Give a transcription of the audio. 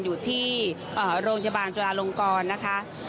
อยู่ที่โรงพยาบาลจุฬาลงกรนะคะ